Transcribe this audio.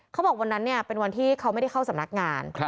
เขาบอกวันนั้นเป็นวันที่เขาไม่ได้เข้าสำนักงาน